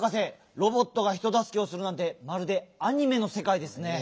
ロボットがひとだすけをするなんてまるでアニメのせかいですね。